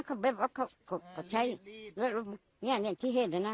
เขาใช้เนี่ยเนี่ยที่เห็ดนะ